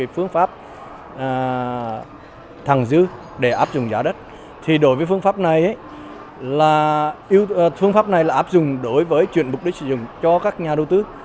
phương pháp thẳng dư để áp dụng giá đất thì đối với phương pháp này là áp dụng đối với chuyện mục đích sử dụng cho các nhà đầu tư